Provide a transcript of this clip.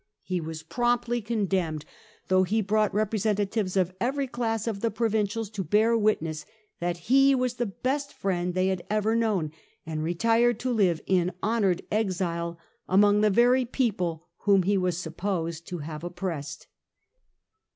He THE ASIATIC TITHES 67 was promptly condemned, thongli lie brought repre sentatives of every class of the provincials to bear witness that he was the best friend they had ever known: and retired to live in honoured exile among the very people whom he was supposed to have oppressed.